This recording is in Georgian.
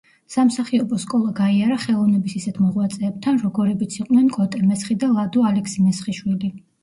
სამსახიობო „სკოლა“ გაიარა ხელოვნების ისეთ მოღვაწეებთან, როგორებიც იყვნენ კოტე მესხი და ლადო ალექსი-მესხიშვილი.